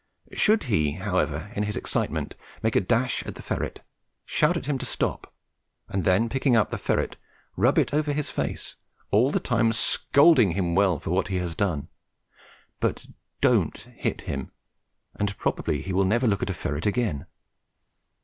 Should he, however, in his excitement make a dash at a ferret, shout at him to stop, and then, picking up the ferret, rub it over his face, all the time scolding him well for what he has done; but don't hit him, and probably he will never look at a ferret again.